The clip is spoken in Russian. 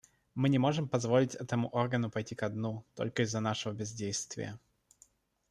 Мы не можем позволить этому органу пойти ко дну только из-за нашего бездействия.